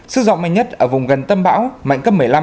sức gió mạnh nhất ở vùng gần tâm bão mạnh cấp một mươi năm